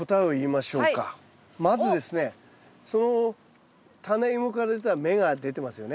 まずですねそのタネイモから出た芽が出てますよね。